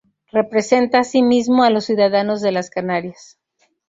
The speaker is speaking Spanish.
Representa, asimismo, a los ciudadanos de las Canarias.